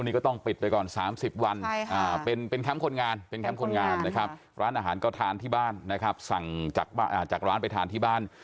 วิธีมันก็ยังดี